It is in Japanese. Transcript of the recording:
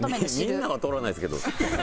みんなは通らないですけど。